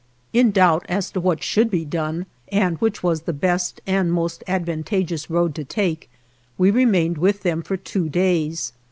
In doubt as to what should be done, and which was the best and most advantageous road to take, we remained with them for two days.